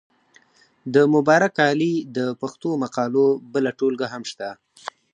د مبارک علي د پښتو مقالو بله ټولګه هم شته.